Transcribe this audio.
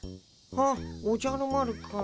あっおじゃる丸くん。